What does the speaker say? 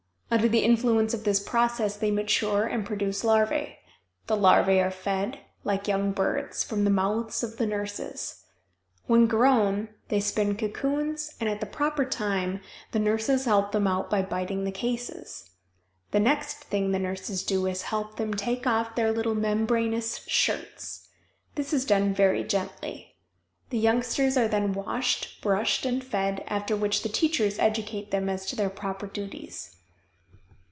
Under the influence of this process they mature and produce larvæ. The larvæ are fed, like young birds, from the mouths of the nurses. When grown they spin cocoons and at the proper time the nurses help them out by biting the cases. The next thing the nurses do is to help them take off their little membranous shirts. This is done very gently. The youngsters are then washed, brushed, and fed, after which the teachers educate them as to their proper duties.